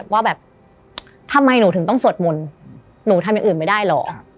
ว่าแบบทำไมหนูถึงต้องสวดมนต์หนูทำอย่างอื่นไม่ได้หรอ